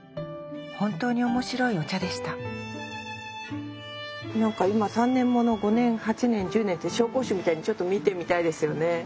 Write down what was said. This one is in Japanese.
本当に面白いお茶でした何か今３年もの５年８年１０年って紹興酒みたいにちょっと見てみたいですよね